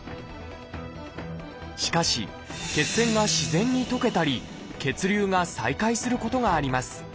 しかし血栓が自然に溶けたり血流が再開することがあります。